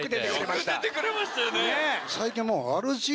よく出てくれましたよね。